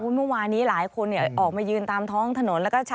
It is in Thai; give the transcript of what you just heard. เมื่อวานี้หลายคนออกมายืนตามท้องถนน